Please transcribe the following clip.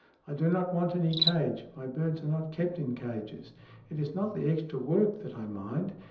"I do not want any cage. My birds are not kept in cages. It is not the extra work that I mind.